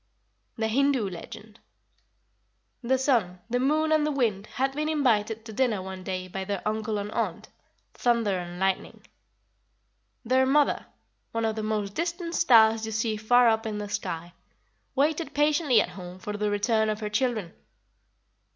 THE HINDOO LEGEND. "The Sun, the Moon, and the Wind had been invited to dinner one day by their uncle and aunt, Thunder and Lightning. Their mother (one of the most distant stars you see far up in the sky) waited patiently at home for the return of her children.